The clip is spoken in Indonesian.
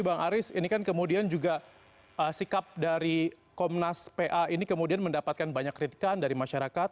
bang aris ini kan kemudian juga sikap dari komnas pa ini kemudian mendapatkan banyak kritikan dari masyarakat